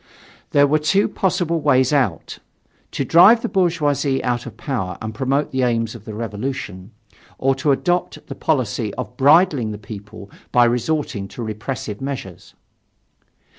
There were two possible ways out: to drive the bourgeoisie out of power and promote the aims of the revolution, or to adopt the policy of "bridling" the people by resorting to repressive measures.